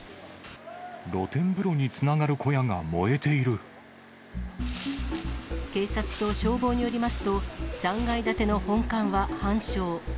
露天風呂につながる小屋が燃警察と消防によりますと、３階建ての本館は半焼。